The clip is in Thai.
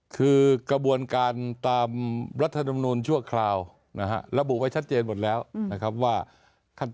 คือกระบวนการตามรัฐธรรมนูลชั่วคราวระบุไว้ชัดเจนหมดแล้วว่าขั้นตอนเป็นยังไง